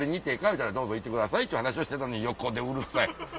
言うたらどうぞ行ってくださいっていう話をしてたのに横でうるさい。